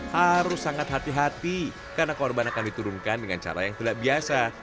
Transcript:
harus sangat hati hati karena korban akan diturunkan dengan cara yang tidak biasa